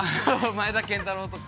◆前田賢太郎とか。